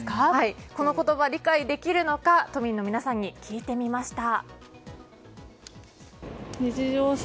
この言葉、理解できるのか都民の皆さんに聞いてみました。